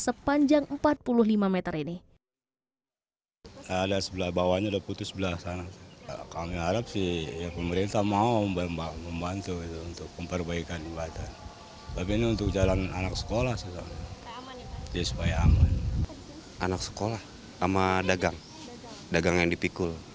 sepanjang empat puluh lima meter ini